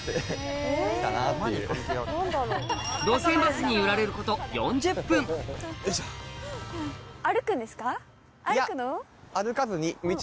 路線バスに揺られること４０分歩くの？